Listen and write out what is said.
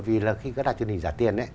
vì là khi các đài truyền hình giả tiền